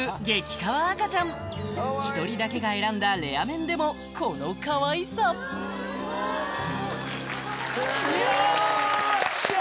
カワ赤ちゃん１人だけが選んだレア面でもこのかわいさよーっしゃ！